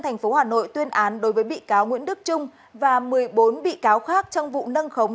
tp hà nội tuyên án đối với bị cáo nguyễn đức trung và một mươi bốn bị cáo khác trong vụ nâng khống